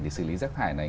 để xử lý rắc hải này